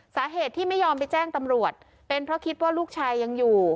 สาเหตุที่ไม่ยอมไปแจ้งตำรวจเป็นเพราะคิดว่าลูกชายยังอยู่